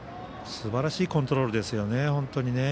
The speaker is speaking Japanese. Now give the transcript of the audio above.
すばらしいコントロールですよね。